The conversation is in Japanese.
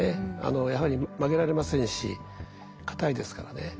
やはり曲げられませんし硬いですからね。